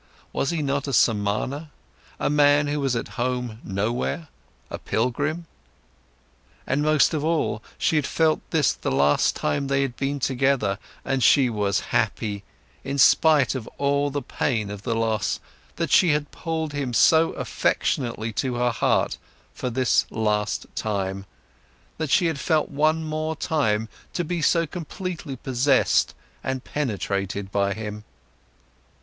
Was he not a Samana, a man who was at home nowhere, a pilgrim? And most of all, she had felt this the last time they had been together, and she was happy, in spite of all the pain of the loss, that she had pulled him so affectionately to her heart for this last time, that she had felt one more time to be so completely possessed and penetrated by him.